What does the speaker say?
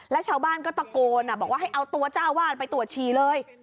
แล้วชาวบ้านก็ตะโกนบอกว่าให้เอาตัวเจ้าวาดไปตรวจฉี่เลย